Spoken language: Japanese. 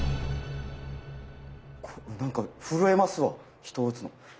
なんか震えますわ人を打つの。